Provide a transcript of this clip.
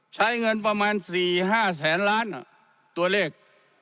ใช้เงินประมาณ๔๕แสนล้านตัวเลข